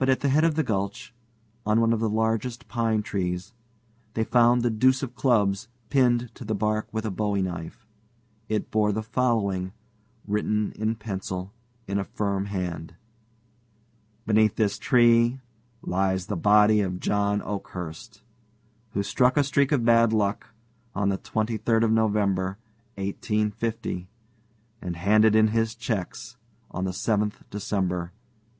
But at the head of the gulch, on one of the largest pine trees, they found the deuce of clubs pinned to the bark with a bowie knife. It bore the following, written in pencil, in a firm hand: BENEATH THIS TREE LIES THE BODY OF JOHN OAKHURST, WHO STRUCK A STREAK OF BAD LUCK ON THE 23D OF NOVEMBER, 1850, AND HANDED IN HIS CHECKS ON THE 7TH DECEMBER, 1850.